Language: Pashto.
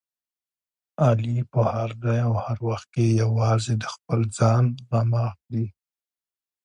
علي په هر ځای او هر وخت کې یوازې د خپل ځان غمه خوري.